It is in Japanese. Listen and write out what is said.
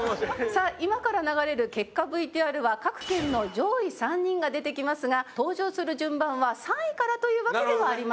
さあ今から流れる結果ＶＴＲは各県の上位３人が出てきますが登場する順番は３位からというわけではありません。